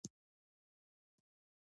غیر قانوني لارې خطرناکې دي.